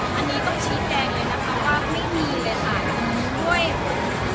ไม่มีความรักผิดชอบในการทำงานไม่มีไปต่างงาน